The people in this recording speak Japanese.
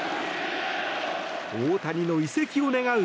大谷の移籍を願う